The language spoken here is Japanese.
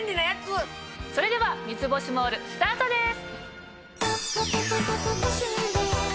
それでは『三ツ星モール』スタートです。